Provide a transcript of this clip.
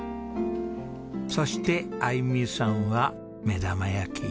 そしてあゆみさんは目玉焼き。